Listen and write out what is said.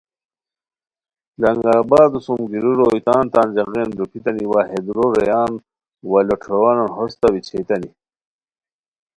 لنگر آبادو سُم گیرو روئے تان تان ژاغین روپھیتانی وا ہے دُورو رویان وا لوٹھوروانان ہوستہ ویچھئیانی